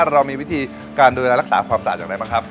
เรามีวิธีการดูแลรักษาความสะอาดอย่างไรบ้างครับ